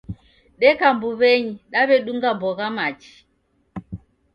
Deka mbuw'enyi, daw'edunga mbogha machi